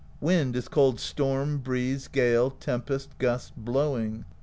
Wind is called Storm, Breeze, Gale, Tem pest, Gust, Blowing.